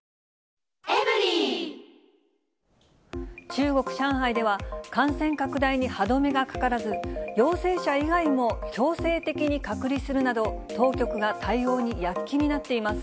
中国・上海では、感染拡大に歯止めがかからず、陽性者以外も強制的に隔離するなど、当局が対応に躍起になっています。